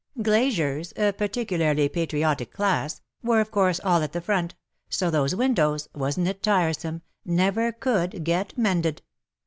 Glaziers — a particu larly patriotic class — were of course all at the front, so those windows — wasn't it tiresome — never could get mended.